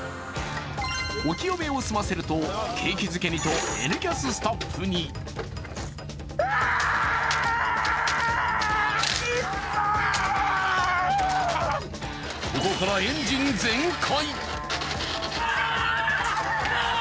お清めを済ませると景気づけにと「Ｎキャス」スタッフにここからエンジン全開。